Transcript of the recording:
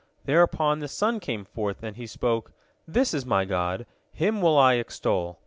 Thereupon the sun came forth, and he spoke, "This is my god, him will I extol."